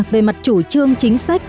về mặt chủ trương chính sách